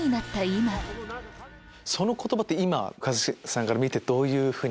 今その言葉今一茂さんから見てどういうふうに。